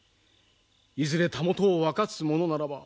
いずれたもとを分かつものならば。